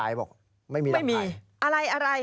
อะไรนะ